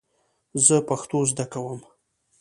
زه پښتو زده کوم